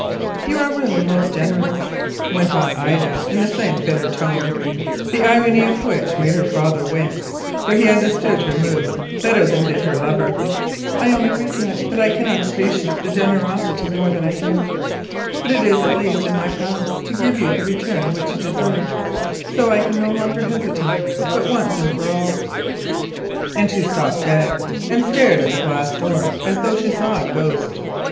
"You are really most generous," went on Ida in the same bitter tone, the irony of which made her father wince, for he understood her mood better than did her lover. "I only regret that I cannot appreciate such generosity more than I do. But it is at least in my power to give you the return which you deserve. So I can no longer hesitate, but once and for all——" She stopped dead, and stared at the glass door as though she saw a ghost.